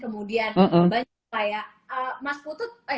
kemudian banyak kayak